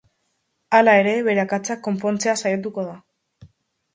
Hala ere, bere akatsak konpontzea saiatuko da.